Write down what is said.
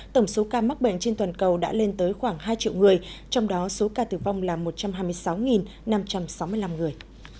tổng số ca mắc bệnh trên toàn cầu đã lên tới khoảng hai triệu người trong đó số ca tử vong là một trăm hai mươi sáu năm trăm sáu mươi năm người